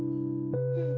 うん。